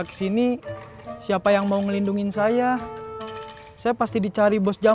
ki nanti tahu kamu ngawasin dia